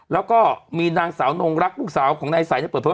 แล้วก็มีนางสาวนงรักผู้สาวของนายใส